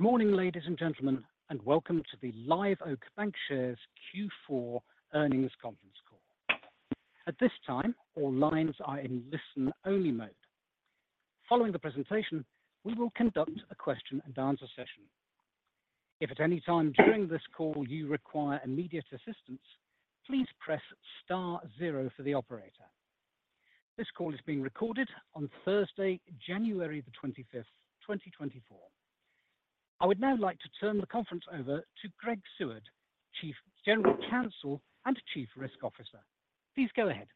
Good morning, ladies and gentlemen, and welcome to the Live Oak Bancshares Q4 Earnings Conference Call. At this time, all lines are in listen-only mode. Following the presentation, we will conduct a question and answer session. If at any time during this call you require immediate assistance, please press star zero for the operator. This call is being recorded on Thursday, January the 25th, 2024. I would now like to turn the conference over to Greg Seward, General Counsel and Chief Risk Officer. Please go ahead.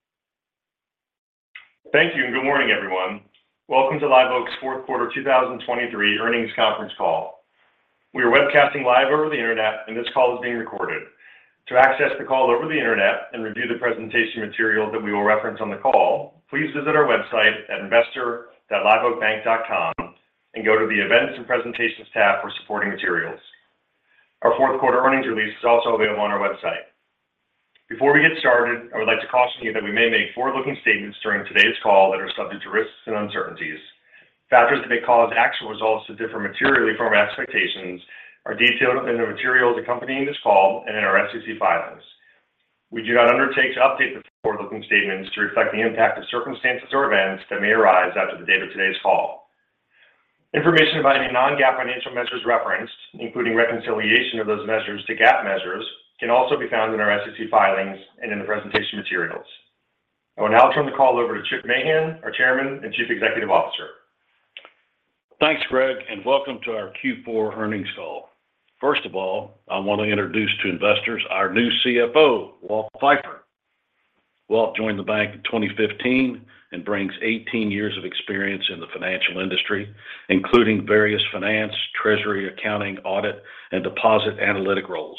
Thank you, and good morning, everyone. Welcome to Live Oak's fourth quarter 2023 earnings conference call. We are webcasting live over the internet, and this call is being recorded. To access the call over the internet and review the presentation material that we will reference on the call, please visit our website at investor.liveoakbank.com and go to the Events and Presentations tab for supporting materials. Our fourth quarter earnings release is also available on our website. Before we get started, I would like to caution you that we may make forward-looking statements during today's call that are subject to risks and uncertainties. Factors that may cause actual results to differ materially from our expectations are detailed in the materials accompanying this call and in our SEC filings. We do not undertake to update the forward-looking statements to reflect the impact of circumstances or events that may arise after the date of today's call. Information about any non-GAAP financial measures referenced, including reconciliation of those measures to GAAP measures, can also be found in our SEC filings and in the presentation materials. I will now turn the call over to Chip Mahan, our Chairman and Chief Executive Officer. Thanks, Greg, and welcome to our Q4 earnings call. First of all, I want to introduce to investors our new CFO, Walter Phifer. Walter Phifer joined the bank in 2015 and brings 18 years of experience in the financial industry, including various finance, treasury, accounting, audit, and deposit analytic roles.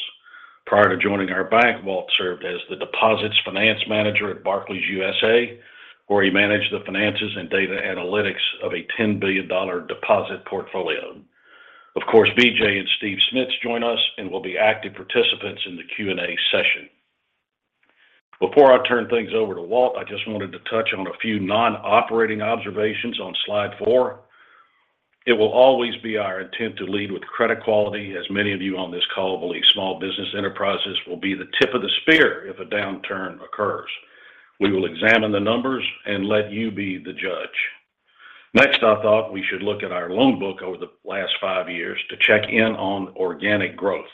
Prior to joining our bank, Walter Phifer served as the deposits finance manager at Barclays U.S.A., where he managed the finances and data analytics of a $10 billion deposit portfolio. Of course, B.J. Losch and Steve Smits join us and will be active participants in the Q&A session. Before I turn things over to Walter Phifer, I just wanted to touch on a few non-operating observations on slide four. It will always be our intent to lead with credit quality, as many of you on this call believe small business enterprises will be the tip of the spear if a downturn occurs. We will examine the numbers and let you be the judge. Next, I thought we should look at our loan book over the last five years to check in on organic growth.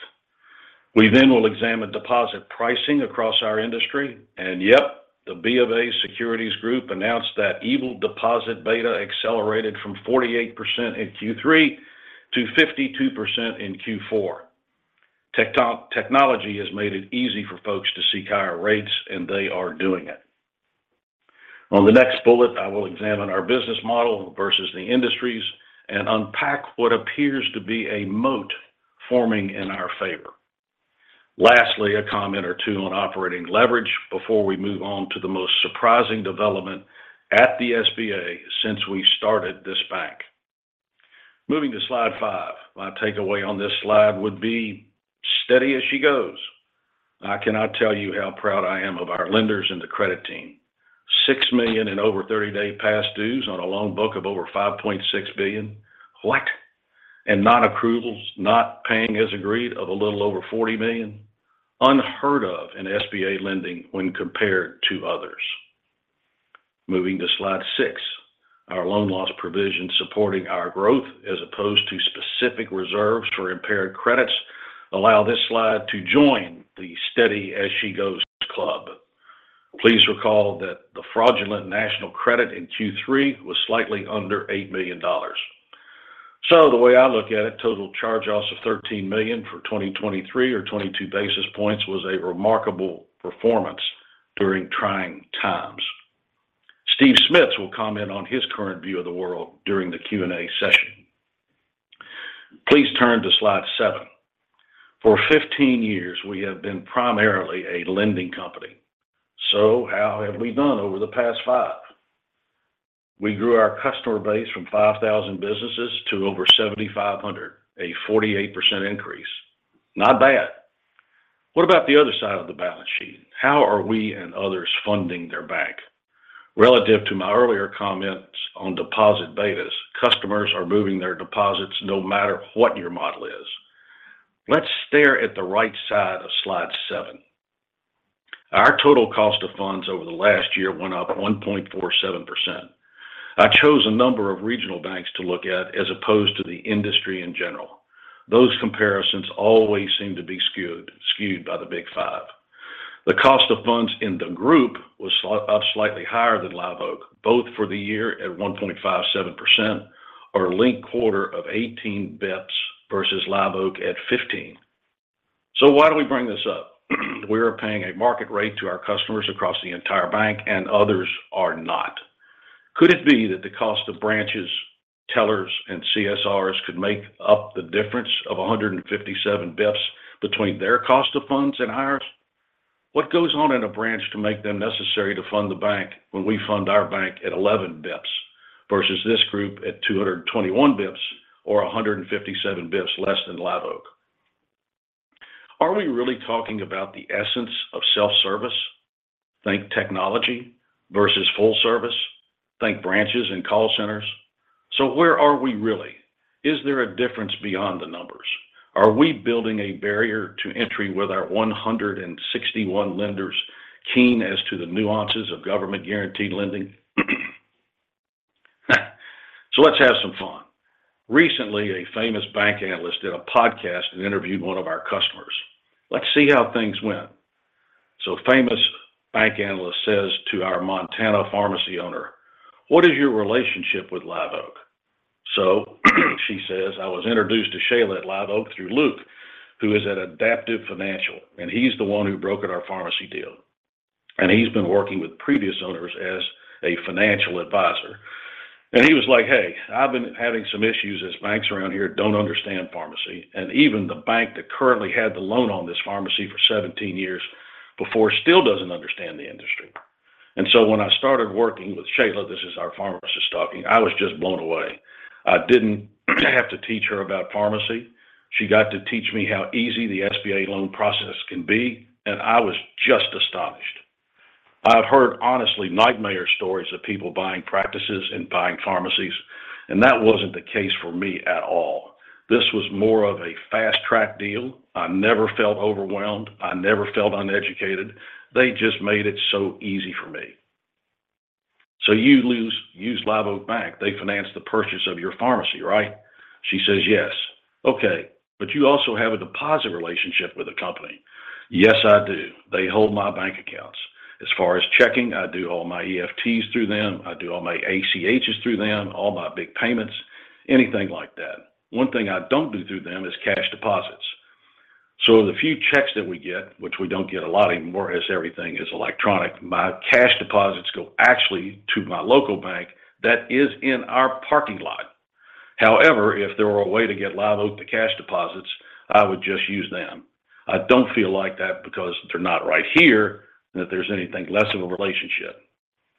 We then will examine deposit pricing across our industry, and yep, the BofA Securities Group announced that average deposit beta accelerated from 48% in Q3 to 52% in Q4. Technology has made it easy for folks to seek higher rates, and they are doing it. On the next bullet, I will examine our business model versus the industry's and unpack what appears to be a moat forming in our favor. Lastly, a comment or two on operating leverage before we move on to the most surprising development at the SBA since we started this bank. Moving to slide five. My takeaway on this slide would be steady as she goes. I cannot tell you how proud I am of our lenders and the credit team. $6 million in over 30-day past dues on a loan book of over $5.6 billion. What? And non-accruals, not paying as agreed of a little over $40 million. Unheard of in SBA lending when compared to others. Moving to slide six. Our loan loss provision, supporting our growth as opposed to specific reserves for impaired credits, allow this slide to join the steady as she goes club. Please recall that the fraudulent national credit in Q3 was slightly under $8 million. So the way I look at it, total charge-offs of $13 million for 2023 or 22 basis points was a remarkable performance during trying times. Steve Smits will comment on his current view of the world during the Q&A session. Please turn to slide seven. For 15 years, we have been primarily a lending company. So how have we done over the past five? We grew our customer base from 5,000 businesses to over 7,500, a 48% increase. Not bad. What about the other side of the balance sheet? How are we and others funding their bank? Relative to my earlier comments on deposit betas, customers are moving their deposits no matter what your model is. Let's stare at the right side of slide seven. Our total cost of funds over the last year went up 1.47%. I chose a number of regional banks to look at as opposed to the industry in general. Those comparisons always seem to be skewed, skewed by the Big Five. The cost of funds in the group was slight, up slightly higher than Live Oak, both for the year at 1.57% or a linked quarter of 18 basis points versus Live Oak at 15. So why do we bring this up? We are paying a market rate to our customers across the entire bank, and others are not. Could it be that the cost of branches, tellers, and CSRs could make up the difference of 157 basis points between their cost of funds and ours? What goes on in a branch to make them necessary to fund the bank when we fund our bank at 11 basis points versus this group at 221 basis points or 157 basis points less than Live Oak?... Are we really talking about the essence of self-service? Think technology versus full service. Think branches and call centers. So where are we really? Is there a difference beyond the numbers? Are we building a barrier to entry with our 161 lenders keen as to the nuances of government-guaranteed lending? So let's have some fun. Recently, a famous bank analyst did a podcast and interviewed one of our customers. Let's see how things went. So famous bank analyst says to our Montana pharmacy owner, "What is your relationship with Live Oak?" So she says, "I was introduced to Shayla at Live Oak through Luke, who is at Adaptive Financial, and he's the one who brokered our pharmacy deal. And he's been working with previous owners as a financial advisor. And he was like, "Hey, I've been having some issues as banks around here don't understand pharmacy, and even the bank that currently had the loan on this pharmacy for 17 years before, still doesn't understand the industry." And so when I started working with Shayla," this is our pharmacist talking, "I was just blown away. I didn't have to teach her about pharmacy. She got to teach me how easy the SBA loan process can be, and I was just astonished. I've heard, honestly, nightmare stories of people buying practices and buying pharmacies, and that wasn't the case for me at all. This was more of a fast-track deal. I never felt overwhelmed, I never felt uneducated. They just made it so easy for me." "So you use Live Oak Bank, they financed the purchase of your pharmacy, right?" She says, "Yes." "Okay, but you also have a deposit relationship with the company." "Yes, I do. They hold my bank accounts. As far as checking, I do all my EFTs through them, I do all my ACHs through them, all my big payments, anything like that. One thing I don't do through them is cash deposits. So the few checks that we get, which we don't get a lot anymore as everything is electronic, my cash deposits go actually to my local bank that is in our parking lot. However, if there were a way to get Live Oak to cash deposits, I would just use them. I don't feel like that because they're not right here, that there's anything less of a relationship.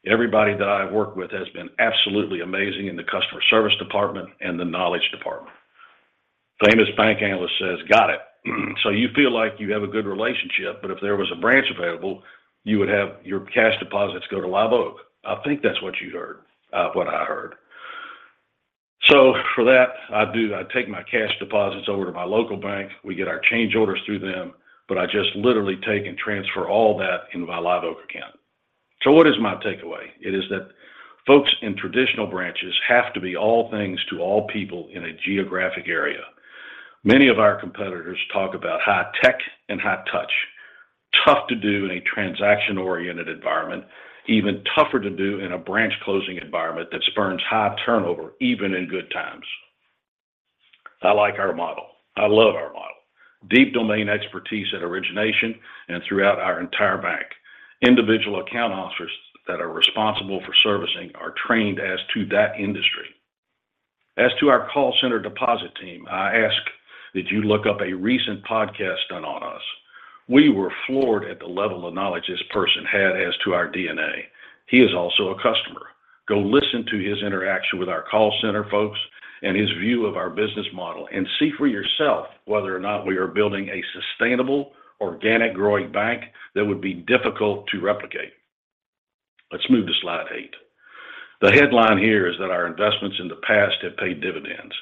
Everybody that I've worked with has been absolutely amazing in the customer service department and the knowledge department." Famous bank analyst says, "Got it. So you feel like you have a good relationship, but if there was a branch available, you would have your cash deposits go to Live Oak. I think that's what you heard, what I heard." "So for that, I do. I take my cash deposits over to my local bank. We get our change orders through them, but I just literally take and transfer all that into my Live Oak account." So what is my takeaway? It is that folks in traditional branches have to be all things to all people in a geographic area. Many of our competitors talk about high tech and high touch. Tough to do in a transaction-oriented environment, even tougher to do in a branch closing environment that spurns high turnover, even in good times. I like our model. I love our model. Deep domain expertise at origination and throughout our entire bank. Individual account officers that are responsible for servicing are trained as to that industry. As to our call center deposit team, I ask that you look up a recent podcast done on us. We were floored at the level of knowledge this person had as to our DNA. He is also a customer. Go listen to his interaction with our call center folks and his view of our business model, and see for yourself whether or not we are building a sustainable, organic, growing bank that would be difficult to replicate. Let's move to slide eight. The headline here is that our investments in the past have paid dividends.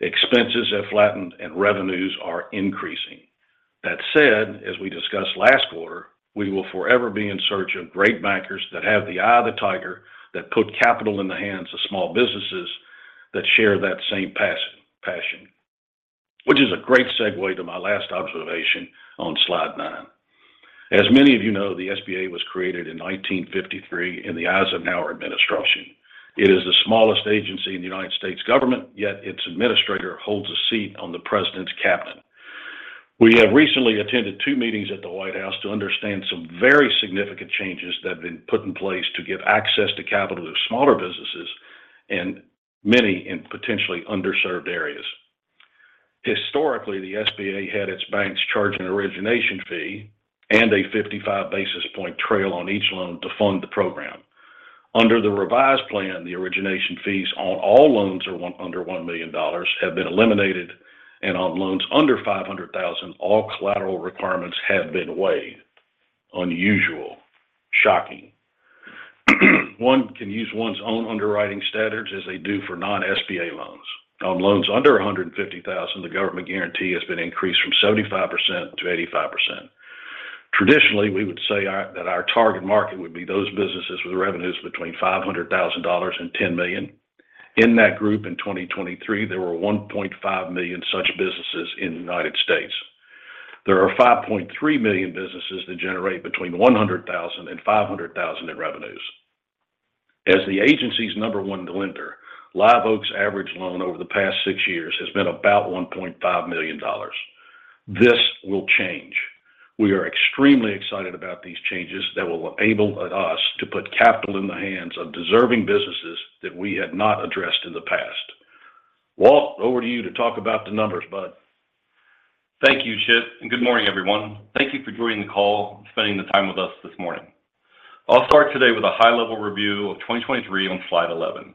Expenses have flattened and revenues are increasing. That said, as we discussed last quarter, we will forever be in search of great bankers that have the eye of the tiger, that put capital in the hands of small businesses, that share that same passion, which is a great segue to my last observation on slide nine. As many of you know, the SBA was created in 1953 in the Eisenhower administration. It is the smallest agency in the United States government, yet its administrator holds a seat on the president's cabinet. We have recently attended two meetings at the White House to understand some very significant changes that have been put in place to give access to capital to smaller businesses and many in potentially underserved areas. Historically, the SBA had its banks charge an origination fee and a 55 basis point trail on each loan to fund the program. Under the revised plan, the origination fees on all loans under $1 million have been eliminated, and on loans under $500,000, all collateral requirements have been waived. Unusual, shocking. One can use one's own underwriting standards as they do for non-SBA loans. On loans under $150,000, the government guarantee has been increased from 75% to 85%. Traditionally, we would say our, that our target market would be those businesses with revenues between $500,000 and $10 million. In that group in 2023, there were 1.5 million such businesses in the United States. There are 5.3 million businesses that generate between $100,000 and $500,000 in revenues. As the agency's number one lender, Live Oak's average loan over the past six years has been about $1.5 million. This will change. We are extremely excited about these changes that will enable us to put capital in the hands of deserving businesses that we had not addressed in the past. Walt, over to you to talk about the numbers, bud. Thank you, Chip, and good morning, everyone. Thank you for joining the call and spending the time with us this morning. I'll start today with a high-level review of 2023 on slide 11...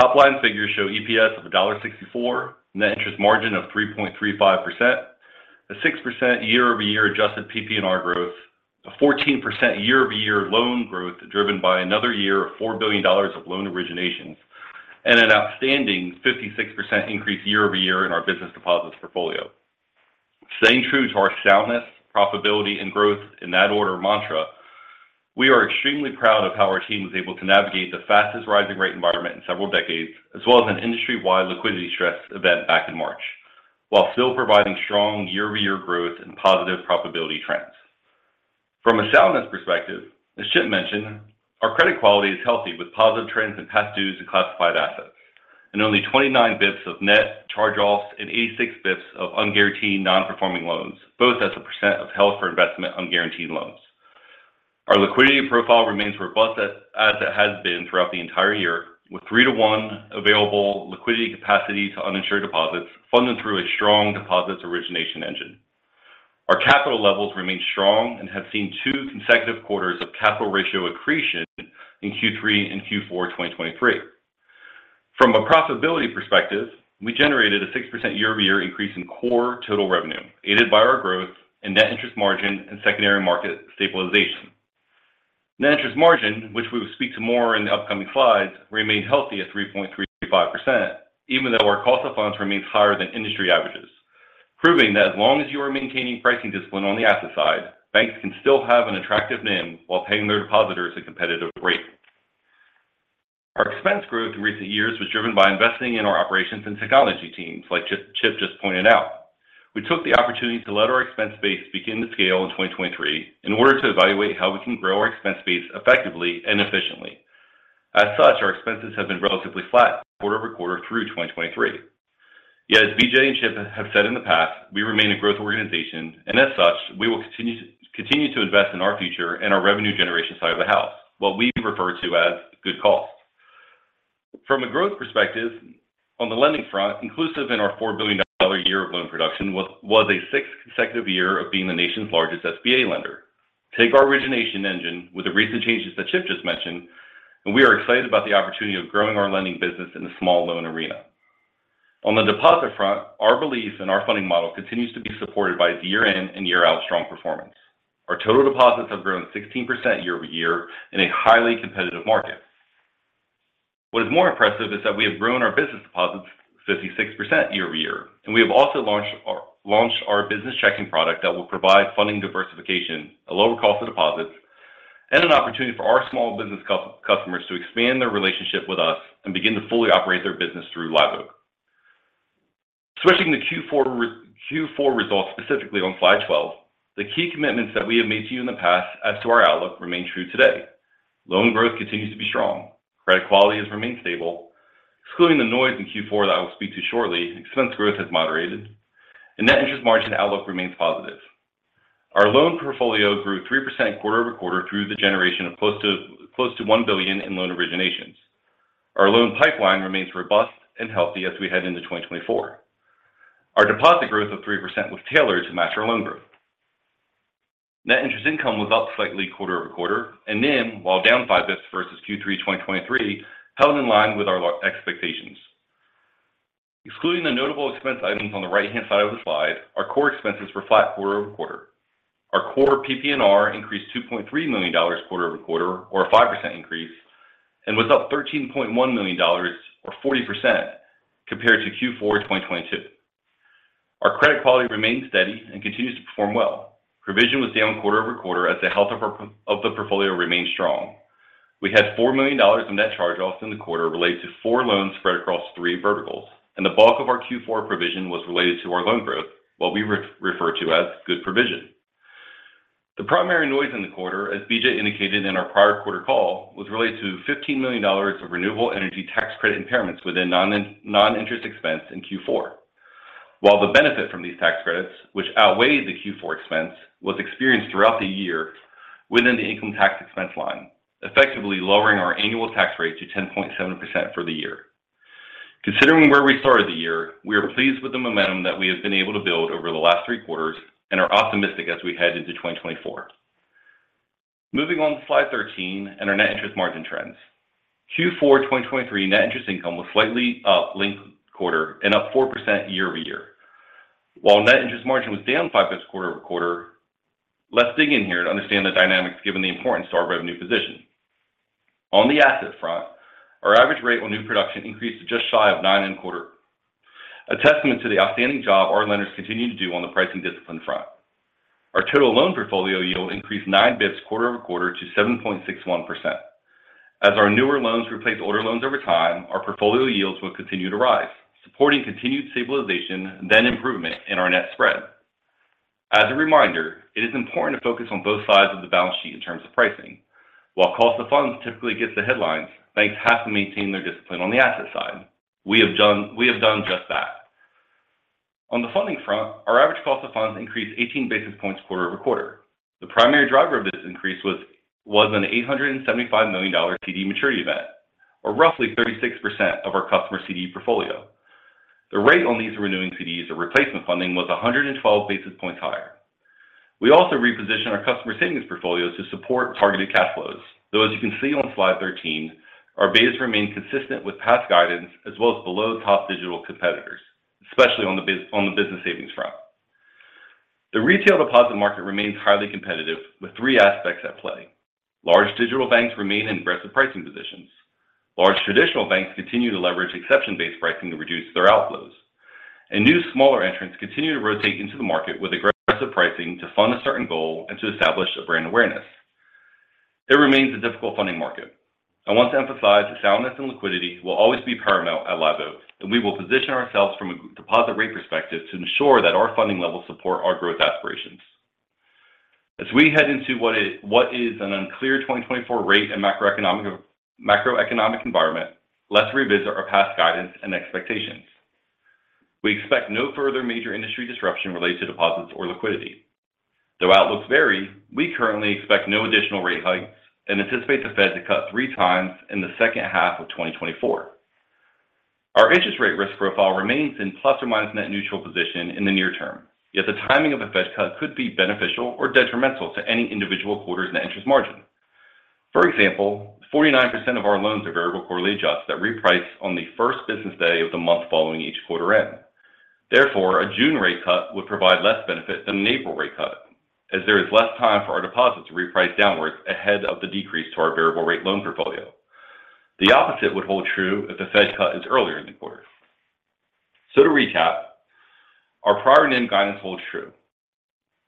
Top line figures show EPS of $1.64, net interest margin of 3.35%, a 6% year-over-year adjusted PPNR growth, a 14% year-over-year loan growth, driven by another year of $4 billion of loan originations, and an outstanding 56% increase year-over-year in our business deposits portfolio. Staying true to our soundness, profitability, and growth in that order mantra, we are extremely proud of how our team was able to navigate the fastest rising rate environment in several decades, as well as an industry-wide liquidity stress event back in March, while still providing strong year-over-year growth and positive profitability trends. From a soundness perspective, as Chip mentioned, our credit quality is healthy, with positive trends in past dues and classified assets, and only 29 basis points of net charge-offs and 86 basis points of unguaranteed non-performing loans, both as a percent of held for investment unguaranteed loans. Our liquidity profile remains robust, as it has been throughout the entire year, with three to one available liquidity capacity to uninsured deposits, funded through a strong deposits origination engine. Our capital levels remain strong and have seen two consecutive quarters of capital ratio accretion in Q3 and Q4 2023. From a profitability perspective, we generated a 6% year-over-year increase in core total revenue, aided by our growth and net interest margin and secondary market stabilization. Net interest margin, which we will speak to more in the upcoming slides, remained healthy at 3.35%, even though our cost of funds remains higher than industry averages, proving that as long as you are maintaining pricing discipline on the asset side, banks can still have an attractive NIM while paying their depositors a competitive rate. Our expense growth in recent years was driven by investing in our operations and technology teams, like Chip just pointed out. We took the opportunity to let our expense base begin to scale in 2023 in order to evaluate how we can grow our expense base effectively and efficiently. As such, our expenses have been relatively flat quarter over quarter through 2023. Yet, as B.J. and Chip have said in the past, we remain a growth organization, and as such, we will continue to invest in our future and our revenue generation side of the house, what we refer to as good cost. From a growth perspective, on the lending front, inclusive in our $4 billion year of loan production, was a sixth consecutive year of being the nation's largest SBA lender. Take our origination engine with the recent changes that Chip just mentioned, and we are excited about the opportunity of growing our lending business in the small loan arena. On the deposit front, our belief in our funding model continues to be supported by year-in and year-out strong performance. Our total deposits have grown 16% year-over-year in a highly competitive market. What is more impressive is that we have grown our business deposits 56% year-over-year, and we have also launched our business checking product that will provide funding diversification, a lower cost of deposits, and an opportunity for our small business customers to expand their relationship with us and begin to fully operate their business through Live Oak. Switching to Q4 results, specifically on slide 12, the key commitments that we have made to you in the past as to our outlook remain true today. Loan growth continues to be strong. Credit quality has remained stable. Excluding the noise in Q4 that I will speak to shortly, expense growth has moderated, and net interest margin outlook remains positive. Our loan portfolio grew 3% quarter-over-quarter through the generation of close to $1 billion in loan originations. Our loan pipeline remains robust and healthy as we head into 2024. Our deposit growth of 3% was tailored to match our loan growth. Net interest income was up slightly quarter-over-quarter, and NIM, while down five basis points versus Q3 2023, held in line with our expectations. Excluding the notable expense items on the right-hand side of the slide, our core expenses were flat quarter-over-quarter. Our core PPNR increased $2.3 million quarter-over-quarter, or a 5% increase, and was up $13.1 million, or 40%, compared to Q4 2022. Our credit quality remains steady and continues to perform well. Provision was down quarter-over-quarter as the health of our portfolio remained strong. We had $4 million in net charge-offs in the quarter related to four loans spread across three verticals, and the bulk of our Q4 provision was related to our loan growth, what we refer to as good provision. The primary noise in the quarter, as B.J. indicated in our prior quarter call, was related to $15 million of renewable energy tax credit impairments within non-interest expense in Q4. While the benefit from these tax credits, which outweighed the Q4 expense, was experienced throughout the year within the income tax expense line, effectively lowering our annual tax rate to 10.7% for the year. Considering where we started the year, we are pleased with the momentum that we have been able to build over the last three quarters and are optimistic as we head into 2024. Moving on to Slide 13 and our net interest margin trends. Q4 2023 net interest income was slightly up, linked quarter and up 4% year-over-year. While net interest margin was down 5 basis points quarter-over-quarter, let's dig in here to understand the dynamics given the importance to our revenue position. On the asset front, our average rate on new production increased to just shy of 9.25, a testament to the outstanding job our lenders continue to do on the pricing discipline front. Our total loan portfolio yield increased 9 basis points quarter-over-quarter to 7.61%. As our newer loans replace older loans over time, our portfolio yields will continue to rise, supporting continued stabilization, then improvement in our net spread. As a reminder, it is important to focus on both sides of the balance sheet in terms of pricing. While cost of funds typically gets the headlines, banks have to maintain their discipline on the asset side. We have done, we have done just that. On the funding front, our average cost of funds increased 18 basis points quarter over quarter. The primary driver of this increase was, was an $875 million CD maturity event, or roughly 36% of our customer CD portfolio. The rate on these renewing CDs or replacement funding was 112 basis points higher. We also reposition our customer savings portfolios to support targeted cash flows. Though as you can see on slide 13, our base remains consistent with past guidance, as well as below top digital competitors, especially on the business savings front. The retail deposit market remains highly competitive, with three aspects at play. Large digital banks remain in aggressive pricing positions. Large traditional banks continue to leverage exception-based pricing to reduce their outflows, and new smaller entrants continue to rotate into the market with aggressive pricing to fund a certain goal and to establish a brand awareness. It remains a difficult funding market. I want to emphasize that soundness and liquidity will always be paramount at Live Oak, and we will position ourselves from a deposit rate perspective to ensure that our funding levels support our growth aspirations. As we head into what is, what is an unclear 2024 rate and macroeconomic, macroeconomic environment, let's revisit our past guidance and expectations. We expect no further major industry disruption related to deposits or liquidity. Though outlooks vary, we currently expect no additional rate hikes and anticipate the Fed to cut three times in the second half of 2024. Our interest rate risk profile remains in plus or minus net neutral position in the near term, yet the timing of a Fed cut could be beneficial or detrimental to any individual quarters net interest margin. For example, 49% of our loans are variable quarterly adjusts that reprice on the first business day of the month following each quarter end. Therefore, a June rate cut would provide less benefit than an April rate cut, as there is less time for our deposits to reprice downwards ahead of the decrease to our variable rate loan portfolio. The opposite would hold true if the Fed cut is earlier in the quarter. So to recap, our prior NIM guidance holds true.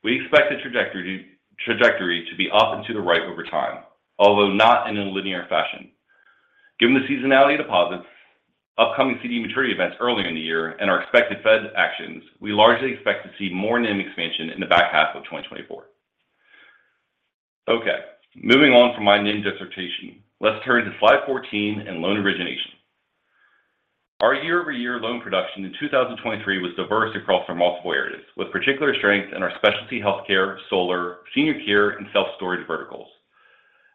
We expect the trajectory to be up and to the right over time, although not in a linear fashion. Given the seasonality deposits, upcoming CD maturity events earlier in the year, and our expected Fed actions, we largely expect to see more NIM expansion in the back half of 2024. Okay, moving on from my NIM dissertation, let's turn to slide 14 and loan origination. Our year-over-year loan production in 2023 was diverse across our multiple areas, with particular strength in our specialty healthcare, solar, senior care, and self-storage verticals.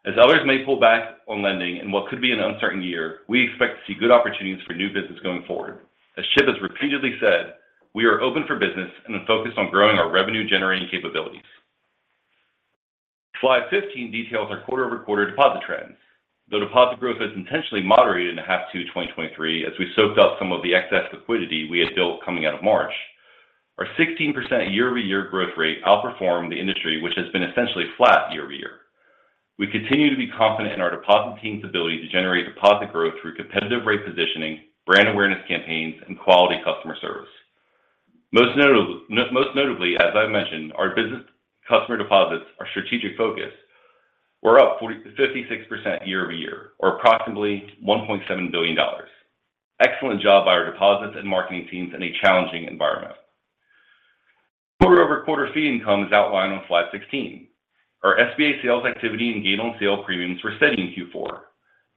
As others may pull back on lending in what could be an uncertain year, we expect to see good opportunities for new business going forward. As Chip has repeatedly said, we are open for business and are focused on growing our revenue-generating capabilities. Slide 15 details our quarter-over-quarter deposit trends. The deposit growth has intentionally moderated in the second half of 2023, as we soaked up some of the excess liquidity we had built coming out of March. Our 16% year-over-year growth rate outperformed the industry, which has been essentially flat year-over-year. We continue to be confident in our deposit team's ability to generate deposit growth through competitive rate positioning, brand awareness campaigns, and quality customer service. Most notably, as I mentioned, our business customer deposits, our strategic focus, were up 56% year-over-year, or approximately $1.7 billion. Excellent job by our deposits and marketing teams in a challenging environment. Quarter-over-quarter fee income is outlined on slide 16. Our SBA sales activity and gain on sale premiums were steady in Q4.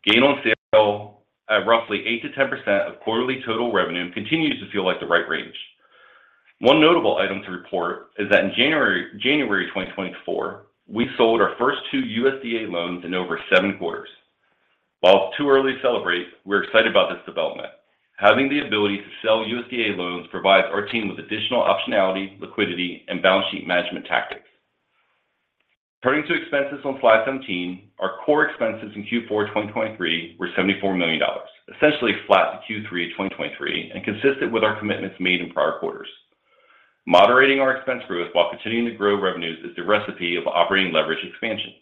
Gain on sale at roughly 8%-10% of quarterly total revenue continues to feel like the right range. One notable item to report is that in January 2024, we sold our first two USDA loans in over seven quarters. While it's too early to celebrate, we're excited about this development. Having the ability to sell USDA loans provides our team with additional optionality, liquidity, and balance sheet management tactics. Turning to expenses on slide 17, our core expenses in Q4 2023 were $74 million, essentially flat to Q3 2023 and consistent with our commitments made in prior quarters. Moderating our expense growth while continuing to grow revenues is the recipe of operating leverage expansion.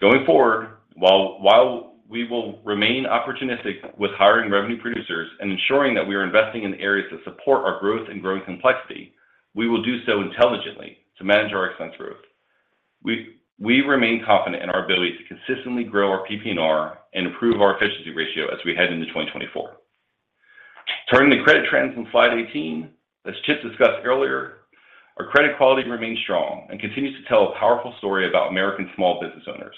Going forward, while we will remain opportunistic with hiring revenue producers and ensuring that we are investing in areas that support our growth and growing complexity, we will do so intelligently to manage our expense growth. We remain confident in our ability to consistently grow our PPNR and improve our efficiency ratio as we head into 2024. Turning to credit trends on slide 18, as Chip discussed earlier, our credit quality remains strong and continues to tell a powerful story about American small business owners.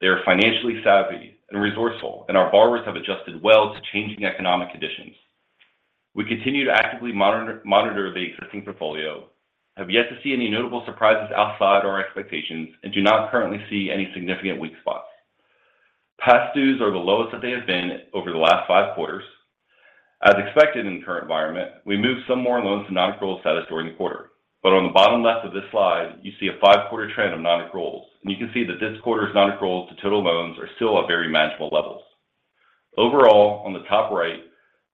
They are financially savvy and resourceful, and our borrowers have adjusted well to changing economic conditions. We continue to actively monitor the existing portfolio, have yet to see any notable surprises outside our expectations, and do not currently see any significant weak spots. Past dues are the lowest that they have been over the last five quarters. As expected in the current environment, we moved some more loans to non-accrual status during the quarter. But on the bottom left of this slide, you see a five-quarter trend of non-accruals, and you can see that this quarter's non-accruals to total loans are still at very manageable levels. Overall, on the top right,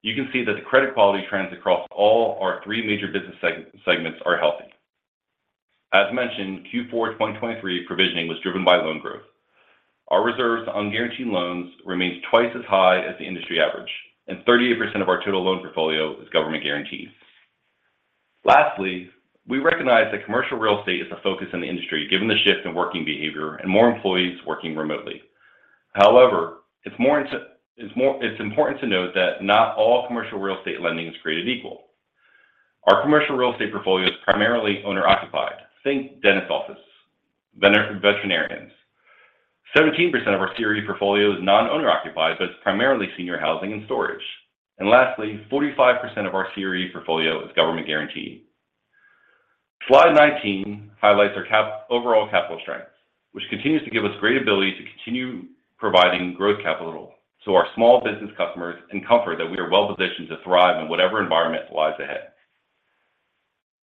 you can see that the credit quality trends across all our three major business segments are healthy. As mentioned, Q4 2023 provisioning was driven by loan growth. Our reserves on guaranteed loans remains twice as high as the industry average, and 38% of our total loan portfolio is government guarantees. Lastly, we recognize that commercial real estate is a focus in the industry, given the shift in working behavior and more employees working remotely. However, it's more important to note that not all commercial real estate lending is created equal. Our commercial real estate portfolio is primarily owner-occupied. Think dentist offices, veterinarians. 17% of our CRE portfolio is non-owner-occupied, but it's primarily senior housing and storage. And lastly, 45% of our CRE portfolio is government guaranteed. Slide 19 highlights our overall capital strengths, which continues to give us great ability to continue providing growth capital to our small business customers, and comfort that we are well-positioned to thrive in whatever environment lies ahead.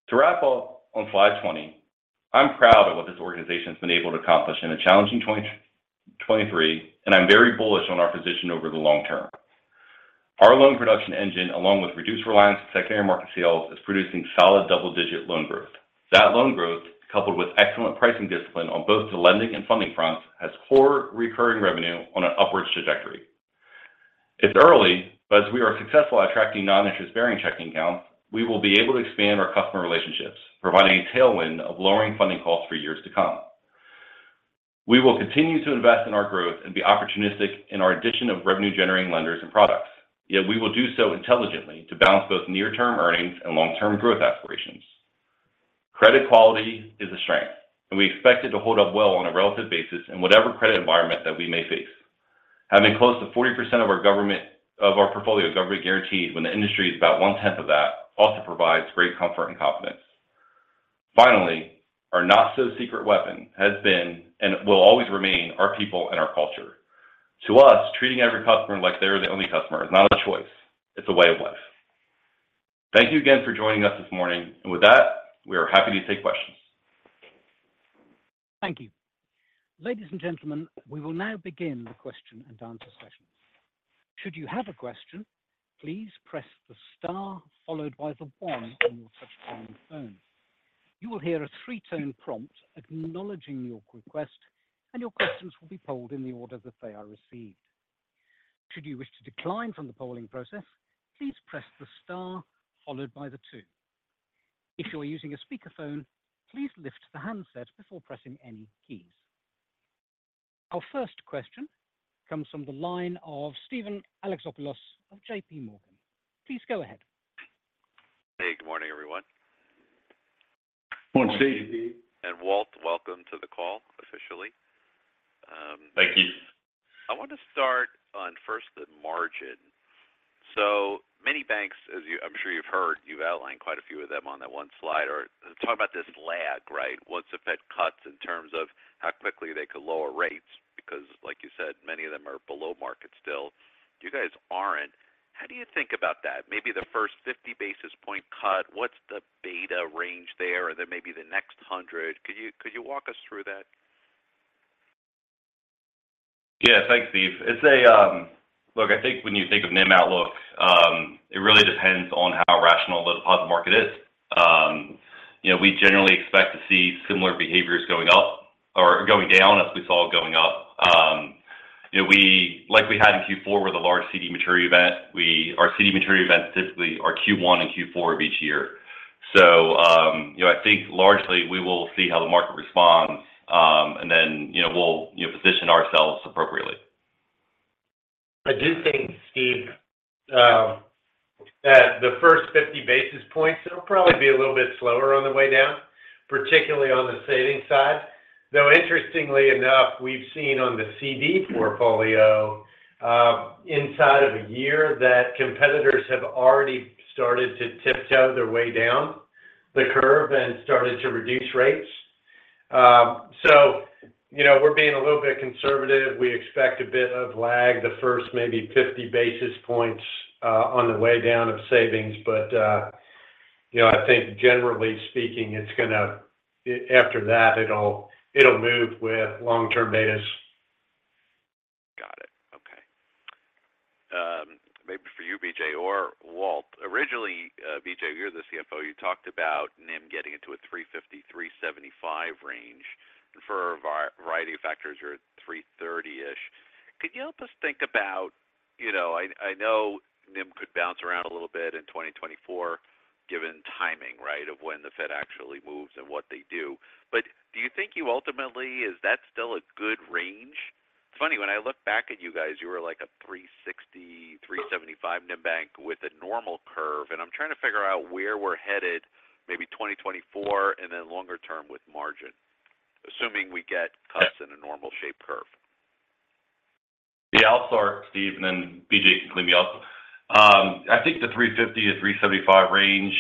To wrap up on slide 20, I'm proud of what this organization's been able to accomplish in a challenging 2023, and I'm very bullish on our position over the long term. Our loan production engine, along with reduced reliance on secondary market sales, is producing solid double-digit loan growth. That loan growth, coupled with excellent pricing discipline on both the lending and funding fronts, has core recurring revenue on an upwards trajectory. It's early, but as we are successful at attracting non-interest-bearing checking accounts, we will be able to expand our customer relationships, providing a tailwind of lowering funding costs for years to come. We will continue to invest in our growth and be opportunistic in our addition of revenue-generating lenders and products. Yet we will do so intelligently to balance both near-term earnings and long-term growth aspirations. Credit quality is a strength, and we expect it to hold up well on a relative basis in whatever credit environment that we may face. Having close to 40% of our portfolio is government guaranteed, when the industry is about one-tenth of that, also provides great comfort and confidence. Finally, our not-so-secret weapon has been, and will always remain, our people and our culture. To us, treating every customer like they are the only customer is not a choice, it's a way of life. Thank you again for joining us this morning, and with that, we are happy to take questions. Thank you. Ladies and gentlemen, we will now begin the question and answer session. Should you have a question, please press the star followed by the one on your touchtone phone. You will hear a three-tone prompt acknowledging your request, and your questions will be polled in the order that they are received. Should you wish to decline from the polling process, please press the star followed by the two. If you are using a speakerphone, please lift the handset before pressing any keys. Our first question comes from the line of Steven Alexopoulos of JPMorgan. Please go ahead. Hey, good morning, everyone. Good morning, Steve. Walt, welcome to the call, officially. Thank you. I want to start on first the margin. So many banks, as you—I'm sure you've heard, you've outlined quite a few of them on that one slide, are talking about this lag, right? Once the Fed cuts in terms of how quickly they could lower rates, because like you said, many of them are below market still. You guys aren't. How do you think about that? Maybe the first 50 basis point cut, what's the beta range there, and then maybe the next 100? Could you, could you walk us through that? Yeah, thanks, Steve. It's a... Look, I think when you think of NIM outlook, it really depends on how rational the deposit market is. You know, we generally expect to see similar behaviors going up or going down as we saw it going up. You know, like we had in Q4 with a large CD maturity event, our CD maturity events typically are Q1 and Q4 of each year. So, you know, I think largely we will see how the market responds, and then, you know, we'll, you know, position ourselves appropriately. I do think, Steve, that the first 50 basis points, it'll probably be a little bit slower on the way down, particularly on the savings side. Though, interestingly enough, we've seen on the CD portfolio, inside of a year, that competitors have already started to tiptoe their way down the curve and started to reduce rates. So you know, we're being a little bit conservative. We expect a bit of lag, the first maybe 50 basis points, on the way down of savings. But, you know, I think generally speaking, it's gonna, after that, it'll move with long-term betas. Got it. Okay. Maybe for you, B.J. or Walt. Originally, B.J., you're the CFO, you talked about NIM getting into a 3.50-3.75 range. And for a variety of factors, you're at 3.30-ish. Could you help us think about... You know, I know NIM could bounce around a little bit in 2024, given timing, right, of when the Fed actually moves and what they do. But do you think you ultimately, is that still a good range? It's funny, when I look back at you guys, you were like a 3.60-3.75 NIM bank with a normal curve, and I'm trying to figure out where we're headed, maybe 2024, and then longer term with margin, assuming we get cuts in a normal shape curve. Yeah, I'll start, Steve, and then B.J. can clean me up. I think the 3.50-3.75 range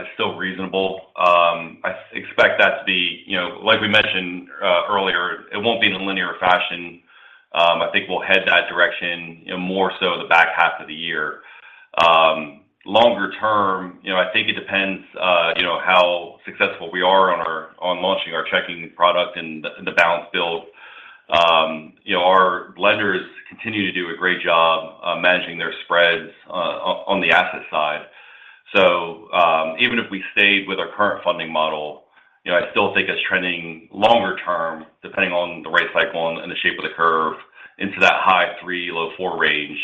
is still reasonable. I expect that to be, you know, like we mentioned earlier, it won't be in a linear fashion. I think we'll head that direction, you know, more so in the back half of the year. Longer term, you know, I think it depends, you know, how successful we are on our on launching our checking product and the balance build. You know, our lenders continue to do a great job of managing their spreads on the asset side. So, even if we stayed with our current funding model, you know, I still think it's trending longer term, depending on the rate cycle and the shape of the curve, into that high three, low four range.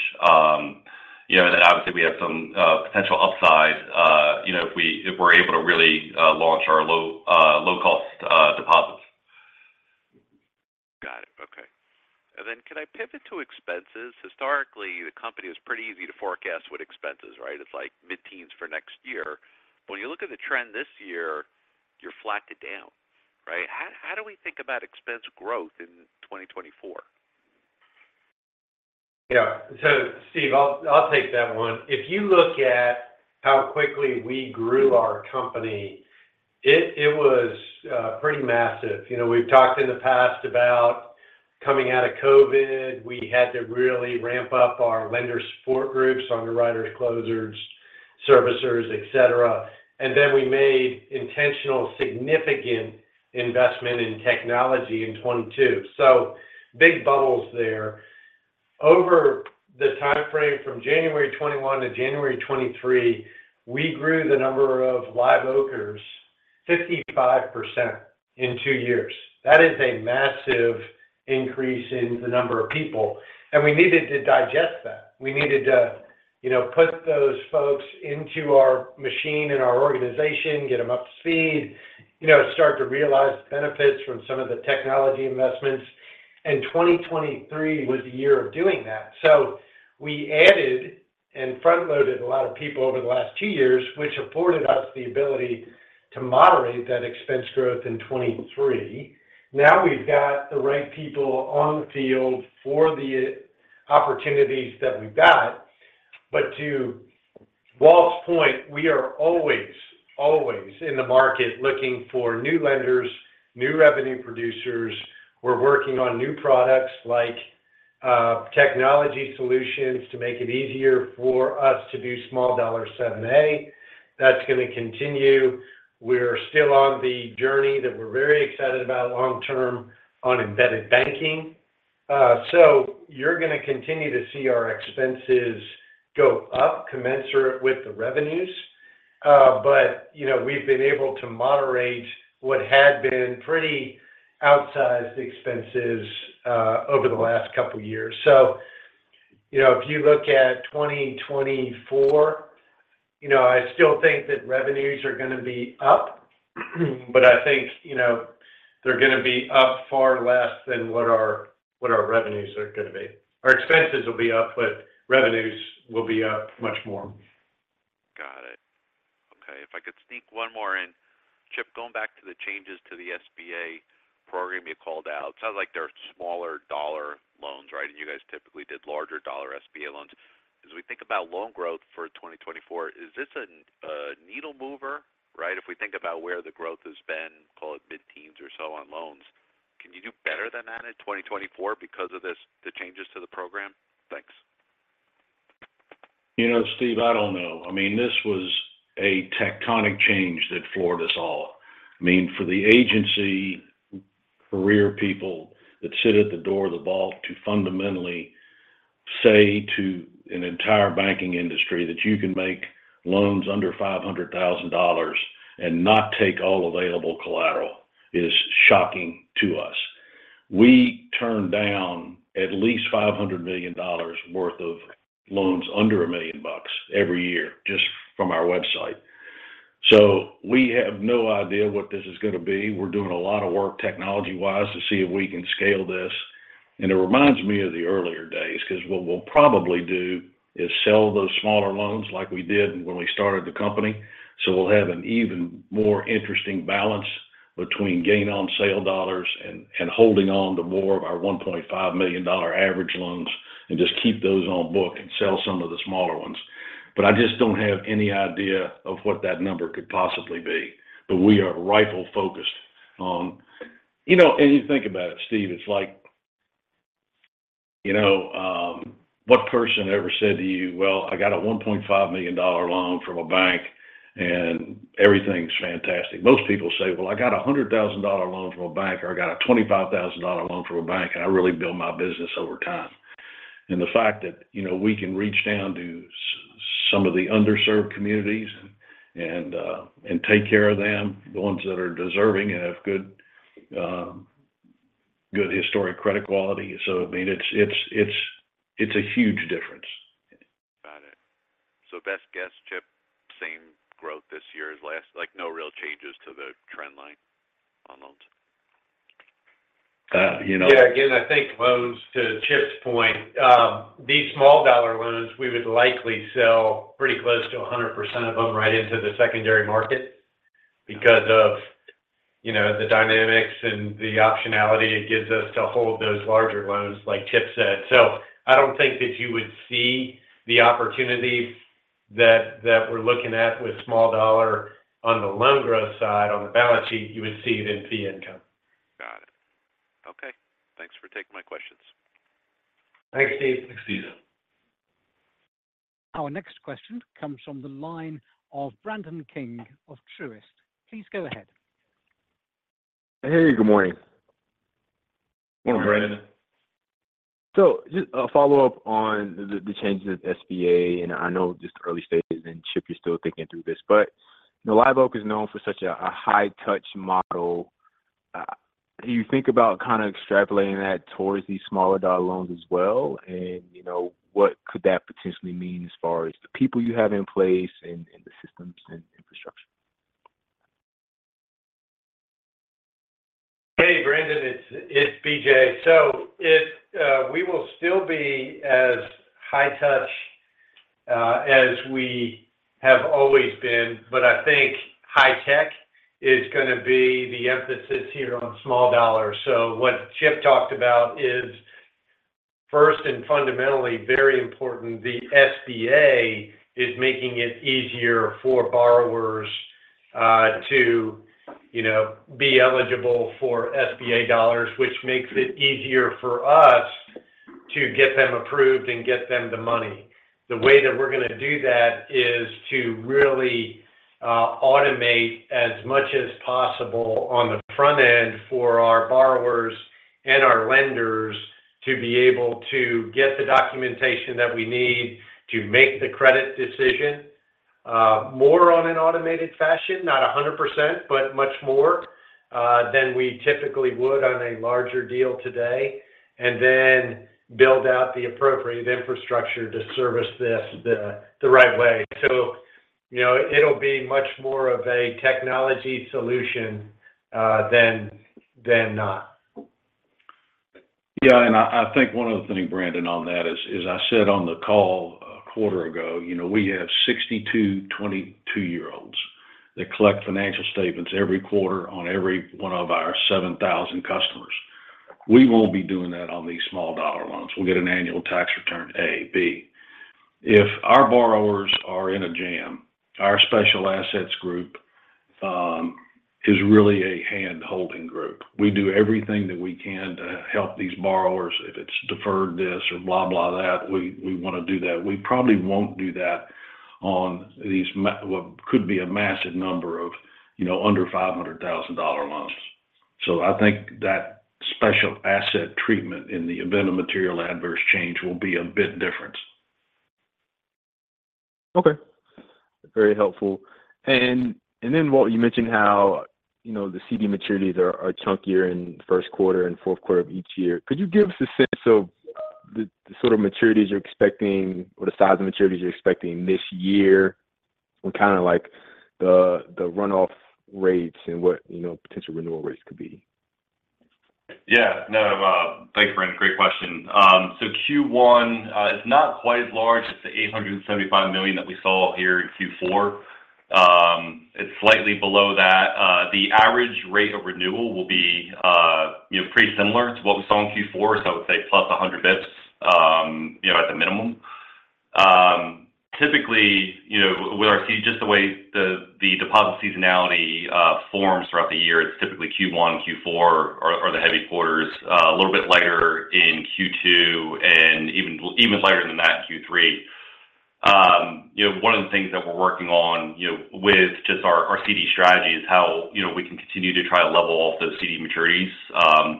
You know, and then obviously, we have some potential upside, you know, if we, if we're able to really launch our low, low-cost deposits. Got it. Okay. And then could I pivot to expenses? Historically, the company was pretty easy to forecast with expenses, right? It's like mid-teens for next year. When you look at the trend this year, you're flat to down, right? How do we think about expense growth in 2024?... Yeah. So Steve, I'll take that one. If you look at how quickly we grew our company, it was pretty massive. You know, we've talked in the past about coming out of COVID. We had to really ramp up our lender support groups, underwriters, closers, servicers, et cetera. And then we made intentional, significant investment in technology in 2022. So big bubbles there. Over the time frame from January 2021 to January 2023, we grew the number of Live Oakers 55% in two years. That is a massive increase in the number of people, and we needed to digest that. We needed to, you know, put those folks into our machine and our organization, get them up to speed, you know, start to realize the benefits from some of the technology investments. 2023 was the year of doing that. So we added and front-loaded a lot of people over the last two years, which afforded us the ability to moderate that expense growth in 2023. Now we've got the right people on the field for the opportunities that we've got. But to Walt's point, we are always, always in the market looking for new lenders, new revenue producers. We're working on new products like technology solutions to make it easier for us to do small dollar 7(a). That's going to continue. We're still on the journey that we're very excited about long-term on embedded banking. So you're going to continue to see our expenses go up, commensurate with the revenues. But, you know, we've been able to moderate what had been pretty outsized expenses over the last couple of years. So, you know, if you look at 2024, you know, I still think that revenues are going to be up, but I think, you know, they're going to be up far less than what our, what our revenues are going to be. Our expenses will be up, but revenues will be up much more. Got it. Okay, if I could sneak one more in. Chip, going back to the changes to the SBA program you called out, sounds like they're smaller dollar loans, right? And you guys typically did larger dollar SBA loans. As we think about loan growth for 2024, is this a, a needle mover, right? If we think about where the growth has been, call it mid-teens or so on loans, can you do better than that in 2024 because of this, the changes to the program? Thanks. You know, Steve, I don't know. I mean, this was a tectonic change that floored us all. I mean, for the agency career people that sit at the door of the vault to fundamentally say to an entire banking industry that you can make loans under $500,000 and not take all available collateral is shocking to us. We turn down at least $500 million worth of loans under $1 million every year, just from our website. So we have no idea what this is going to be. We're doing a lot of work, technology-wise, to see if we can scale this. And it reminds me of the earlier days, because what we'll probably do is sell those smaller loans like we did when we started the company. So we'll have an even more interesting balance between gain on sale dollars and, and holding on to more of our $1.5 million average loans, and just keep those on book and sell some of the smaller ones. But I just don't have any idea of what that number could possibly be. But we are rifle-focused on... You know, and you think about it, Steve, it's like, you know, what person ever said to you, "Well, I got a $1.5 million loan from a bank, and everything's fantastic." Most people say, "Well, I got a $100,000 loan from a bank, or I got a $25,000 loan from a bank, and I really built my business over time." And the fact that, you know, we can reach down to some of the underserved communities and take care of them, the ones that are deserving and have good historic credit quality. So, I mean, it's a huge difference. Got it. So best guess, Chip, same growth this year as last, like, no real changes to the trend line on loans? you know- Yeah, again, I think close to Chip's point, these small dollar loans, we would likely sell pretty close to 100% of them right into the secondary market because of, you know, the dynamics and the optionality it gives us to hold those larger loans, like Chip said. So I don't think that you would see the opportunities that we're looking at with small dollar on the loan growth side, on the balance sheet, you would see it in fee income. Got it. Okay. Thanks for taking my questions. Thanks, Steve. Thanks, Steve. Our next question comes from the line of Brandon King of Truist. Please go ahead. Hey, good morning. Morning, Brandon. So just a follow-up on the changes at SBA, and I know just the early stages, and Chip, you're still thinking through this, but the Live Oak is known for such a high touch model. Do you think about kinda extrapolating that towards these smaller dollar loans as well? And, you know, what could that potentially mean as far as the people you have in place and the systems and infrastructure? Hey, Brandon, it's B.J. We will still be as high touch as we have always been. But I think high tech is going to be the emphasis here on small dollars. So what Chip talked about is, first and fundamentally very important, the SBA is making it easier for borrowers to, you know, be eligible for SBA dollars, which makes it easier for us to get them approved and get them the money. The way that we're going to do that is to really automate as much as possible on the front end for our borrowers and our lenders to be able to get the documentation that we need to make the credit decision more on an automated fashion, not 100%, but much more than we typically would on a larger deal today, and then build out the appropriate infrastructure to service this the right way. So, you know, it'll be much more of a technology solution than not. Yeah, and I think one other thing, Brandon, on that is I said on the call a quarter ago, you know, we have 62 22-year-olds that collect financial statements every quarter on every one of our 7,000 customers. We won't be doing that on these small dollar loans. We'll get an annual tax return, A, B, if our borrowers are in a jam, our Special Assets Group is really a handholding group. We do everything that we can to help these borrowers. If it's deferred this or blah, blah, that, we want to do that. We probably won't do that on these what could be a massive number of, you know, under $500,000 loans. So I think that special asset treatment in the event of material adverse change will be a bit different. Okay. Very helpful. And, and then, Walt, you mentioned how, you know, the CD maturities are, are chunkier in first quarter and fourth quarter of each year. Could you give us a sense of the, the sort of maturities you're expecting or the size of maturities you're expecting this year, and kind of like the, the runoff rates and what, you know, potential renewal rates could be? Yeah, no, thanks, Brandon. Great question. So Q1 is not quite as large as the $875 million that we saw here in Q4. It's slightly below that. The average rate of renewal will be, you know, pretty similar to what we saw in Q4. So I would say plus 100 basis points, you know, at the minimum. Typically, you know, with our CD, just the way the deposit seasonality forms throughout the year, it's typically Q1 and Q4 are the heavy quarters. A little bit lighter in Q2, and even lighter than that, Q3. You know, one of the things that we're working on, you know, with just our CD strategy is how, you know, we can continue to try to level off those CD maturities.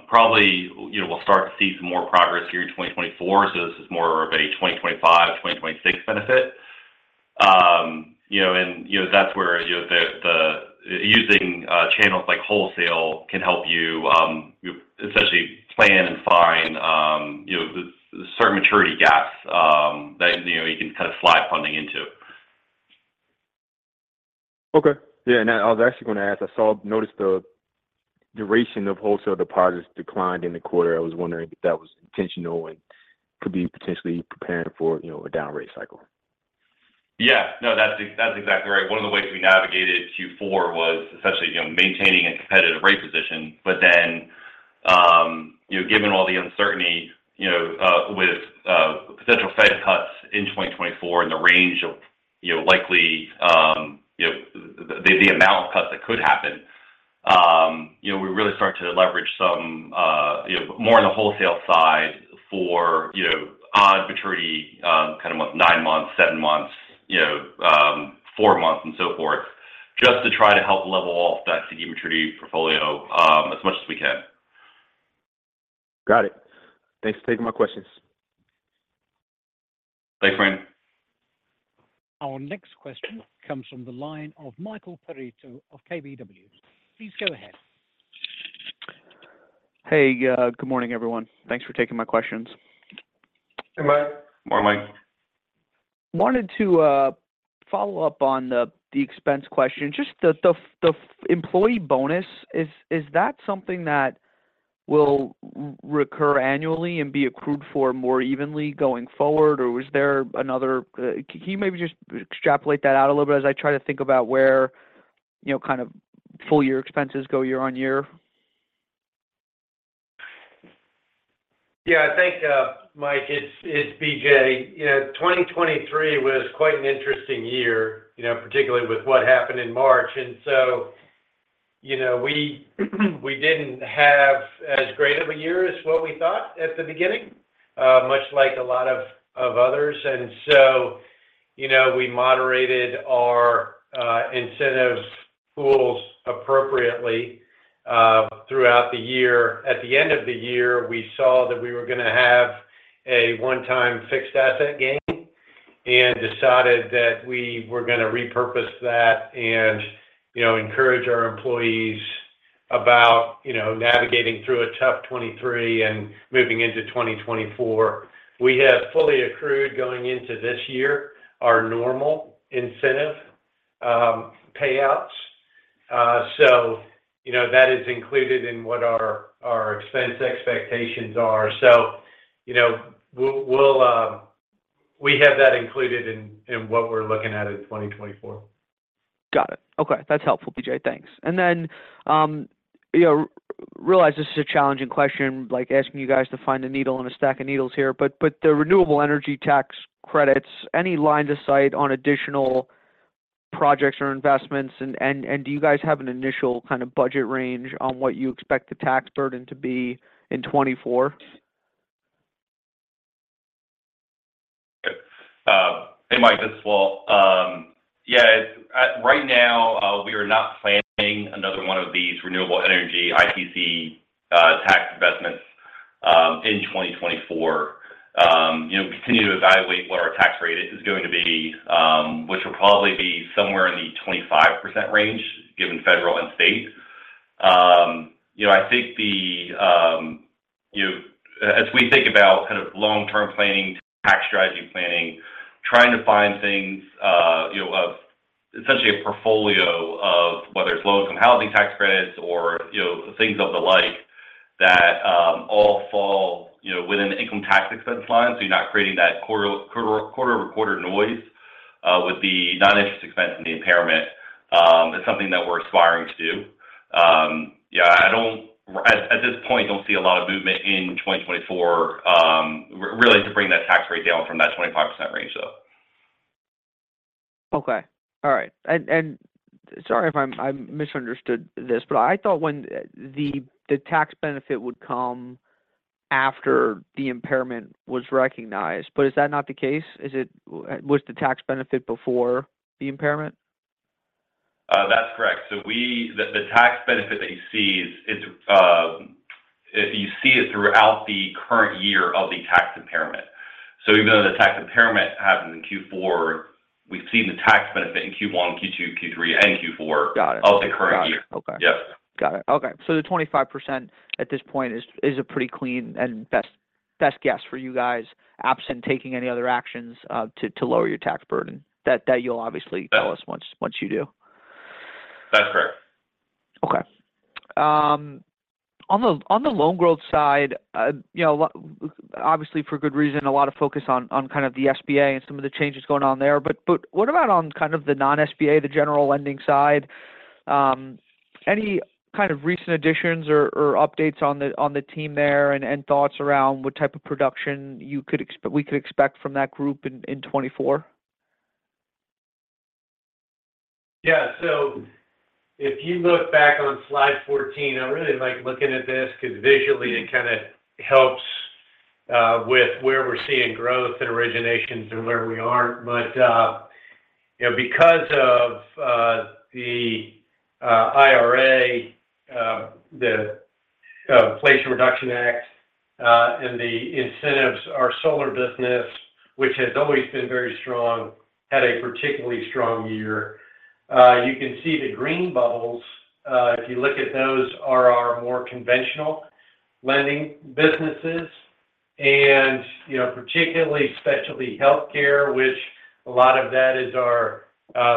Probably, you know, we'll start to see some more progress here in 2024, so this is more of a 2025, 2026 benefit. You know, and, you know, that's where, you know, using channels like wholesale can help you, essentially plan and find, you know, the certain maturity gaps, that, you know, you can kind of slide funding into. Okay. Yeah, and I was actually going to ask. I noticed the duration of wholesale deposits declined in the quarter. I was wondering if that was intentional and could be potentially preparing for, you know, a down rate cycle. Yeah. No, that's exactly right. One of the ways we navigated Q4 was essentially, you know, maintaining a competitive rate position. But then, you know, given all the uncertainty, you know, with potential Fed cuts in 2024 and the range of, you know, likely, you know, the amount of cuts that could happen, you know, we're really starting to leverage some, you know, more on the wholesale side for, you know, odd maturity, kind of nine months, seven months, you know, four months and so forth, just to try to help level off that CD maturity portfolio, as much as we can. Got it. Thanks for taking my questions. Thanks, Brandon. Our next question comes from the line of Michael Perito of KBW. Please go ahead. Hey, good morning, everyone. Thanks for taking my questions. Hey, Mike. Morning, Mike. Wanted to follow up on the expense question. Just the employee bonus, is that something that will recur annually and be accrued for more evenly going forward, or was there another... Can you maybe just extrapolate that out a little bit as I try to think about where, you know, kind of full year expenses go year on year? Yeah, I think, Mike, it's B.J. You know, 2023 was quite an interesting year, you know, particularly with what happened in March. And so, you know, we didn't have as great of a year as what we thought at the beginning, much like a lot of others. And so, you know, we moderated our incentives pools appropriately throughout the year. At the end of the year, we saw that we were going to have a one-time fixed asset gain, and decided that we were going to repurpose that and, you know, encourage our employees about, you know, navigating through a tough 2023 and moving into 2024. We have fully accrued going into this year, our normal incentive payouts, so, you know, that is included in what our expense expectations are. You know, we have that included in what we're looking at in 2024. Got it. Okay, that's helpful, B.J. Thanks. And then, you know, realize this is a challenging question, like asking you guys to find a needle in a stack of needles here, but the renewable energy tax credits, any line of sight on additional projects or investments? And do you guys have an initial kind of budget range on what you expect the tax burden to be in 2024? Yep. Hey, Mike, this is Walt. Yeah, right now, we are not planning another one of these renewable energy ITC tax investments in 2024. You know, we continue to evaluate what our tax rate is going to be, which will probably be somewhere in the 25% range, given federal and state. You know, I think the... you know, as we think about kind of long-term planning, tax strategy planning, trying to find things, you know, of essentially a portfolio of whether it's low-income housing tax credits or, you know, things of the like, that all fall, you know, within the income tax expense line, so you're not creating that quarter-over-quarter noise with the non-interest expense and the impairment is something that we're aspiring to do. Yeah, I don't see at this point a lot of movement in 2024 really to bring that tax rate down from that 25% range, though. Okay. All right. And sorry if I misunderstood this, but I thought when the tax benefit would come after the impairment was recognized, but is that not the case? Is it—was the tax benefit before the impairment? That's correct. So the tax benefit that you see is, it's if you see it throughout the current year of the tax impairment. So even though the tax impairment happened in Q4, we've seen the tax benefit in Q1, Q2, Q3, and Q4. Got it. of the current year. Got it. Okay. Yep. Got it. Okay. So the 25% at this point is a pretty clean and best guess for you guys, absent taking any other actions to lower your tax burden, that you'll obviously- Yeah tell us once you do. That's correct. Okay. On the, on the loan growth side, you know, obviously for good reason, a lot of focus on, on kind of the SBA and some of the changes going on there. But, but what about on kind of the non-SBA, the general lending side? Any kind of recent additions or, or updates on the, on the team there, and, and thoughts around what type of production you could expect—we could expect from that group in, in 2024? Yeah. So if you look back on slide 14, I really like looking at this because visually it kind of helps with where we're seeing growth and originations and where we aren't. But you know, because of the IRA, the Inflation Reduction Act, and the incentives, our solar business, which has always been very strong, had a particularly strong year. You can see the green bubbles, if you look at those, are our more conventional lending businesses. And you know, particularly specialty healthcare, which a lot of that is our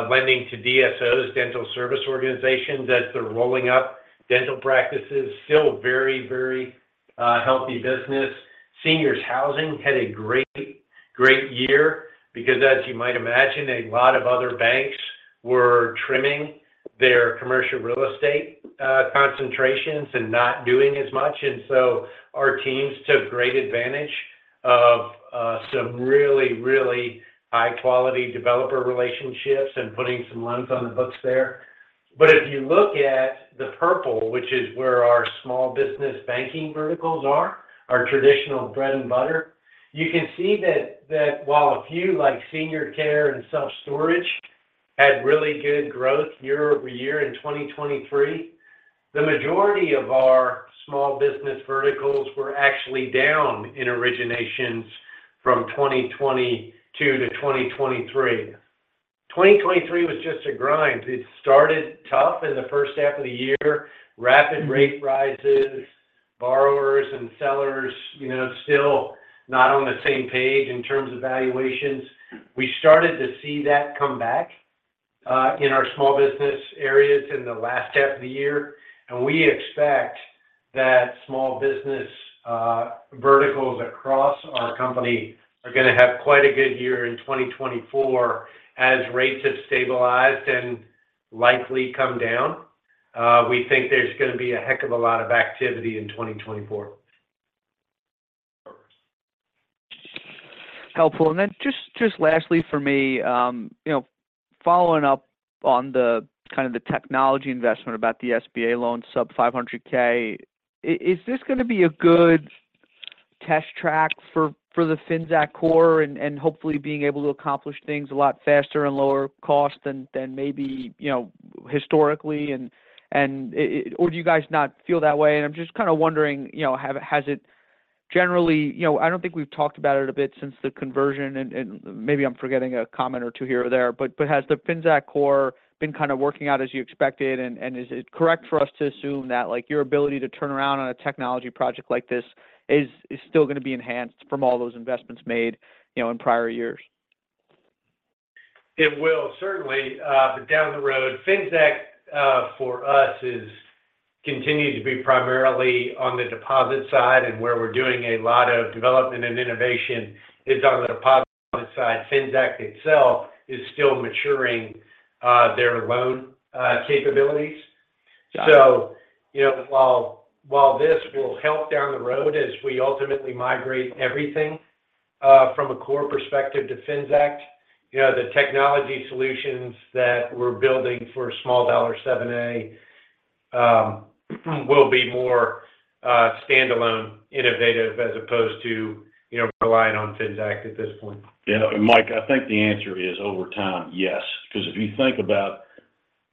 lending to DSOs, dental service organizations, as they're rolling up dental practices, still very, very healthy business. Seniors housing had a great, great year because, as you might imagine, a lot of other banks were trimming their commercial real estate concentrations and not doing as much. And so our teams took great advantage of some really, really high-quality developer relationships and putting some loans on the books there. But if you look at the purple, which is where our small business banking verticals are, our traditional bread and butter, you can see that, that while a few like senior care and self-storage had really good growth year-over-year in 2023, the majority of our small business verticals were actually down in originations from 2022 to 2023. 2023 was just a grind. It started tough in the first half of the year. Rapid rate rises, borrowers and sellers, you know, still not on the same page in terms of valuations. We started to see that come back in our small business areas in the last half of the year, and we expect that small business verticals across our company are gonna have quite a good year in 2024. As rates have stabilized and likely come down, we think there's gonna be a heck of a lot of activity in 2024. Helpful. And then just lastly for me, you know, following up on the kind of the technology investment about the SBA loan sub-$500K, is this gonna be a good test track for the Finxact core and hopefully being able to accomplish things a lot faster and lower cost than maybe, you know, historically? And or do you guys not feel that way? And I'm just kind of wondering, you know, has it generally... You know, I don't think we've talked about it a bit since the conversion, and maybe I'm forgetting a comment or two here or there, but has the Finxact core been kind of working out as you expected? And is it correct for us to assume that, like, your ability to turn around on a technology project like this is still gonna be enhanced from all those investments made, you know, in prior years?... It will certainly, but down the road, Finxact, for us is continuing to be primarily on the deposit side, and where we're doing a lot of development and innovation is on the deposit side. Finxact itself is still maturing, their loan capabilities. So, you know, while, while this will help down the road as we ultimately migrate everything, from a core perspective to Finxact, you know, the technology solutions that we're building for small dollar 7(a), will be more, standalone innovative as opposed to, you know, relying on Finxact at this point. Yeah, Mike, I think the answer is over time, yes. Because if you think about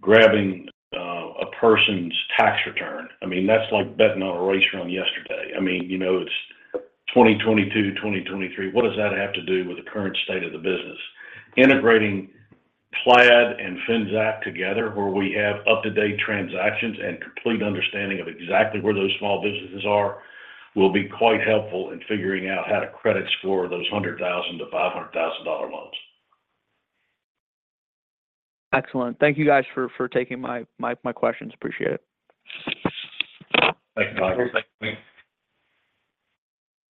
grabbing a person's tax return, I mean, that's like betting on a race from yesterday. I mean, you know, it's 2022, 2023. What does that have to do with the current state of the business? Integrating Plaid and Finxact together, where we have up-to-date transactions and complete understanding of exactly where those small businesses are, will be quite helpful in figuring out how to credit score those $100,000-$500,000 loans. Excellent. Thank you guys for taking my questions. Appreciate it. Thank you, Michael. Thank you.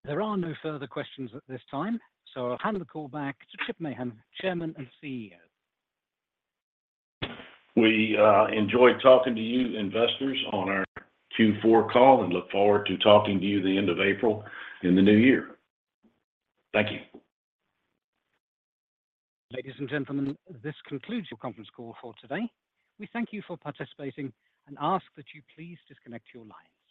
There are no further questions at this time, so I'll hand the call back to Chip Mahan, Chairman and CEO. We enjoyed talking to you, investors, on our Q4 call, and look forward to talking to you at the end of April in the new year. Thank you. Ladies and gentlemen, this concludes your conference call for today. We thank you for participating and ask that you please disconnect your lines.